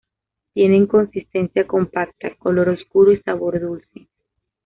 Tienen consistencia compacta, color oscuro y sabor dulce.